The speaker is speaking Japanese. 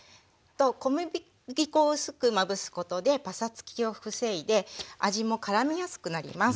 小麦粉を薄くまぶすことでパサつきを防いで味もからみやすくなります。